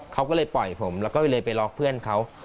เขาก็เลยปล่อยผมแล้วก็เลยไปล็อกเพื่อนเขา